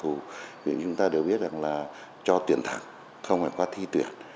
thủ viện chúng ta đều biết là cho tuyển thẳng không phải qua thi tuyển